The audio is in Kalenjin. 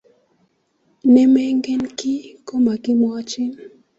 ne mengen kii ko makimwachin